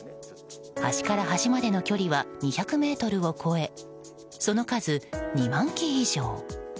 端から端までの距離は２００ｍを超えその数２万基以上。